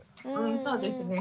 そうですね。